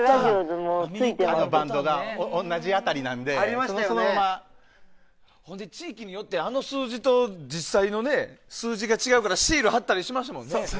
バンドが同じ辺りなので地域によってはあの数字と実際の数字が違うからシール貼ったりしましたもんね。